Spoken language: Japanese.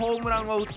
打った！